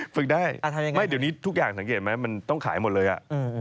ฝึกได้ไม่เดี๋ยวนี้ทุกอย่างสังเกตไหมมันต้องขายหมดเลยอ่ะ